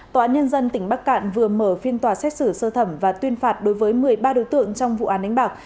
tòa án nhân dân tỉnh bắc cạn vừa mở phiên tòa xét xử sơ thẩm và tuyên phạt đối với một mươi ba đối tượng trong vụ án đánh bạc